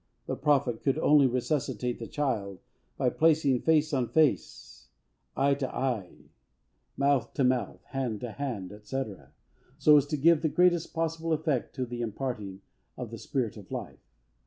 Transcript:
The Prophet could only resuscitate the child by placing face on face, eye to eye, mouth to mouth, hand to hand, &c., so as to give the greatest possible effect to the imparting of the spirit of life.